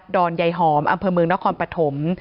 อนใยหอมอำเภอเมืองนครปฐม